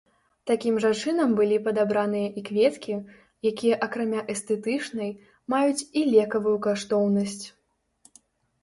Такім жа чынам былі падабраныя і кветкі, якія акрамя эстэтычнай, маюць і лекавую каштоўнасць.